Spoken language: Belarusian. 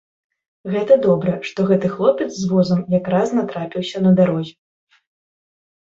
Гэта добра, што гэты хлопец з возам якраз натрапіўся на дарозе.